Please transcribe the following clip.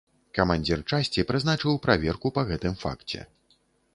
Камандзір часці прызначыў праверку па гэтым факце.